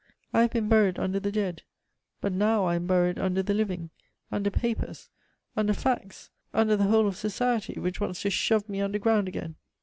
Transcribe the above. I have been buried under the dead; but now I am buried under the living, under papers, under facts, under the whole of society, which wants to shove me underground again!"